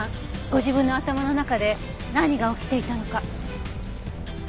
ご自分の頭の中で何が起きていたのか。